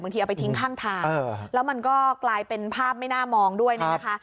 เอาไปทิ้งข้างทางแล้วมันก็กลายเป็นภาพไม่น่ามองด้วยนะคะ